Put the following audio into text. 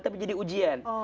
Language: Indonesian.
tetapi jadi ujian